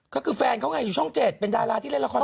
ก็คือแฟนเขาไงอยู่ช่องเจ็ดเป็นดาราที่เล่นละครกับพี่นัท